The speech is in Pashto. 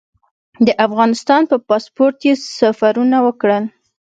د افغانستان په پاسپورټ یې سفرونه وکړل.